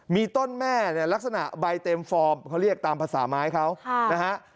มีต้นแม่เนี่ยลักษณะใบเต็มฟอร์มเขาเรียกตามภาษาไม้เขานะฮะ